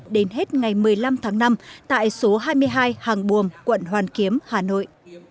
đến hết ngày một mươi năm tháng năm tại số hai mươi hai hàng buồm quận hoàn kiếm hà nội